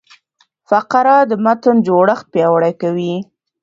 فقره د متن جوړښت پیاوړی کوي.